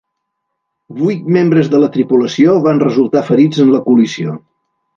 Vuit membres de la tripulació van resultar ferits en la col·lisió.